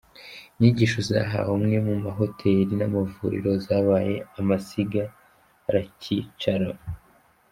Inyigisho zahawe amwe mu mahoteli n’amavuriro zabaye amasigaracyicaro